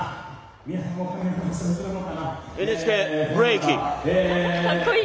ＮＨＫ、ブレイキン！